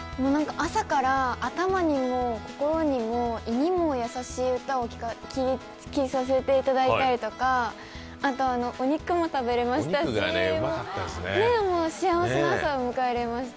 朝から頭にも心にも胃にも優しい歌を聴かせていただいたりとか、あとお肉も食べれましたし幸せな朝を迎えれました。